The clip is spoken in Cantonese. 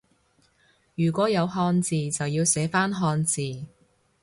如果有漢字就要寫返漢字